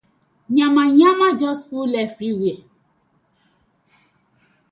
Yamayama just full everywhere.